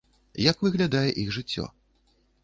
Як выглядае іх жыццё?